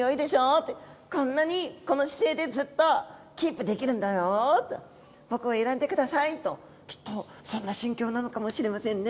こんなにこの姿勢でずっとキープできるんだよと僕を選んでくださいときっとそんな心境なのかもしれませんね。